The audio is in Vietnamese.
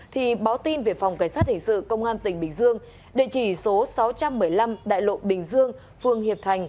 thì báo tin về phòng cảnh sát hình sự công an tỉnh bình dương địa chỉ số sáu trăm một mươi năm đại lộ bình dương phường hiệp thành